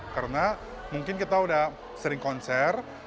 karena mungkin kita udah sering konser